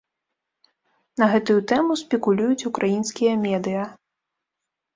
На гэтую тэму спекулююць украінскія медыя.